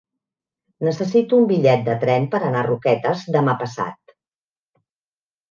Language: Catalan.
Necessito un bitllet de tren per anar a Roquetes demà passat.